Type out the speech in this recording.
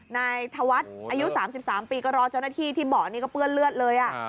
นายธวัฒน์อายุ๓๓ปีก็รอเจ้าหน้าที่ที่เบาะนี่ก็เปื้อนเลือดเลย